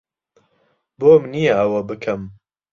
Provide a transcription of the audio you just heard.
بۆم نییە ئەوە بکەم.